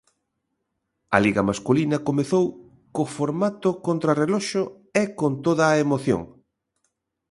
A Liga masculina comezou co formato contra reloxo, e con toda a emoción.